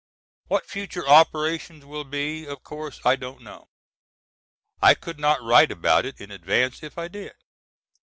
What future operations will be, of course I don't know. I could not write about it in advance if I did.